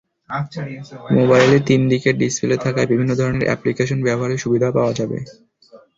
মোবাইলে তিনদিকের ডিসপ্লে থাকায় বিভিন্ন ধরনের অ্যাপ্লিকেশন ব্যবহারে সুবিধা পাওয়া যাবে।